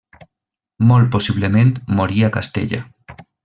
Molt possiblement morí a Castella.